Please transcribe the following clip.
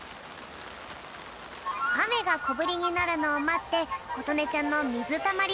あめがこぶりになるのをまってことねちゃんのみずたまり